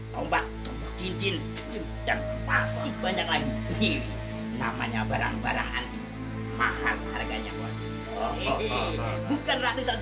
tombak cincin dan pasti banyak lagi namanya barang barang antik mahal harganya bukan ratusan